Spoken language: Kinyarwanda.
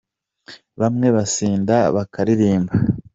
Bamwe basinda bakaririmba